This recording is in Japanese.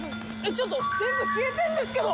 ちょっと全部消えてんですけど！